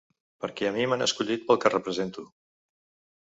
Perquè a mi m’han escollit pel que represento.